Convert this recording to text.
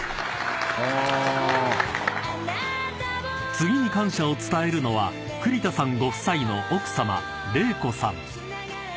［次に感謝を伝えるのは栗田さんご夫妻の奥さま］